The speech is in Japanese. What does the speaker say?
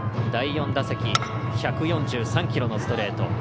第４打席１４３キロのストレート。